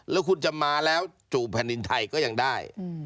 แล้วคุณจะมาแล้วจู่แผ่นดินไทยก็ยังได้